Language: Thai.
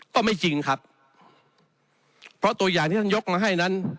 ก็ไม่จริงครับเพราะตัวอย่างที่ท่านยกมาให้นั้น